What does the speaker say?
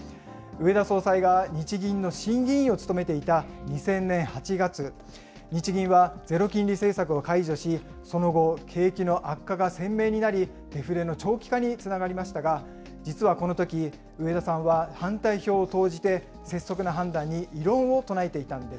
植田総裁が日銀の審議委員を務めていた２０００年８月、日銀はゼロ金利政策を解除し、その後、景気の悪化が鮮明になり、デフレの長期化につながりましたが、実はこのとき、植田さんは反対票を投じて、拙速な判断に異論を唱えていたんです。